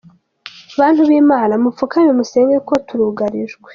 Bantu b’Imana mupfukame musenge kuko turugarijwe.